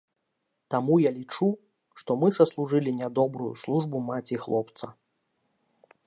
Таму я лічу, што мы саслужылі нядобрую службу маці хлопца.